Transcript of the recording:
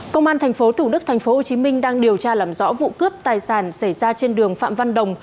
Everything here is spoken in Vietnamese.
công an tp thủ đức tp hcm đang điều tra làm rõ vụ cướp tài sản xảy ra trên đường phạm văn đồng